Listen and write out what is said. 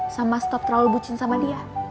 sama stop terlalu bucin sama dia